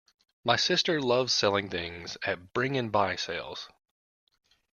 My sister loves selling things at Bring and Buy sales